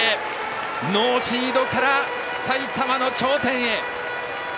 ノーシードから埼玉の頂点へ。